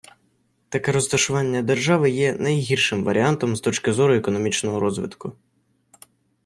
Таке розташування держави є найгіршим варіантом з точки зору економічного розвитку.